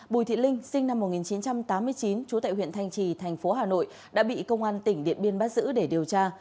bùi thị linh sinh năm một nghìn chín trăm tám mươi chín trú tại huyện thanh trì thành phố hà nội đã bị công an tỉnh điện biên bắt giữ để điều tra